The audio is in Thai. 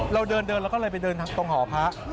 เราเดินแล้วก็เลยไปเดินตรงหอพระ